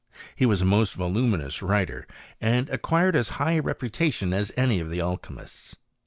He was a most vo luminous writer, and acquired as high a reputatioii as any of the alchymists.